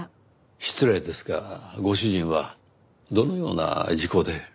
失礼ですがご主人はどのような事故で？